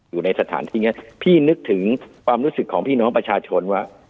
อยู่ในสถานที่นี้พี่นึกถึงความรู้สึกของพี่น้องประชาชนว่า